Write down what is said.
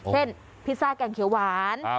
พิซซ่าแกงเขียวหวาน